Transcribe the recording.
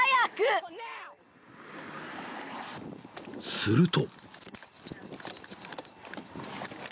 ［すると］